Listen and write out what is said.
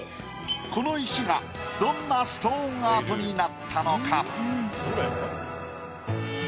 この石がどんなストーンアートになったのか？